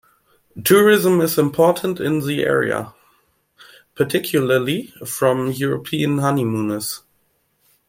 Tourism is important in the area, particularly from European honeymooners.